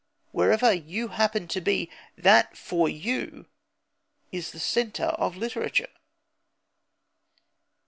Wherever you happen to be, that, for you, is the centre of literature.